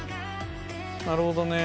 なるほどね。